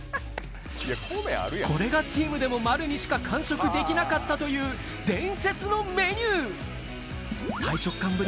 これがチームでも丸にしか完食できなかったという伝説のメニュー。